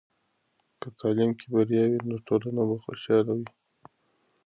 که تعلیم کې بریا وي، نو ټولنه به خوشحاله وي.